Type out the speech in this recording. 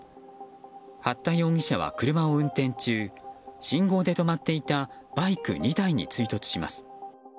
八田容疑者は車を運転中信号で止まっていたバイク２台に追突します。